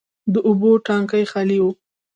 د اوبو ټانکي خالي و.